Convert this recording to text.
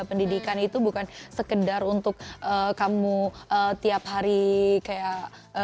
pendidikan itu bukan sekedar untuk kamu tiap hari kayak